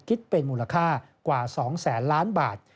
คิดเป็นมูลค่ากว่า๒แสนล้านบาท